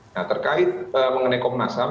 nah terkait mengenai komunasab